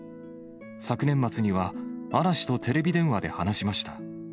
昨年末には、嵐とテレビ電話で話しました。